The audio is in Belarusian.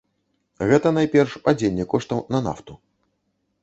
Гэта, найперш, падзенне коштаў на нафту.